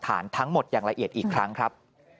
ทั้งหมดอย่างละเอียดอีกครั้งครับ